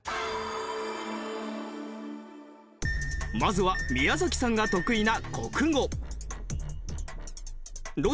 まずは宮崎さんが得意な国語。